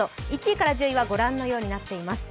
１位から１０位は御覧のようになっています。